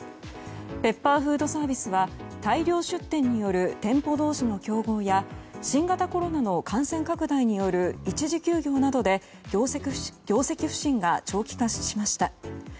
ペッパーフードサービスは大量出店による店舗同士の競合や新型コロナの感染拡大などによる一時休業などで業績不振が長期化しました。